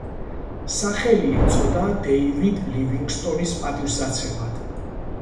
სახელი ეწოდა დეივიდ ლივინგსტონის პატივსაცემად.